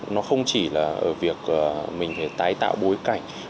nó không chỉ là ở việc mình phải tái tạo bối cảnh